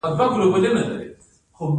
ایا زه باید جیلې وخورم؟